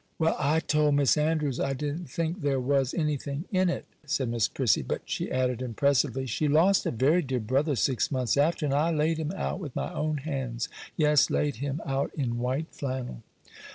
'Well, I told Miss Andrews I didn't think there was anything in it,' said Miss Prissy; 'but,' she added, impressively, 'she lost a very dear brother six months after, and I laid him out with my own hands—yes, laid him out in white flannel.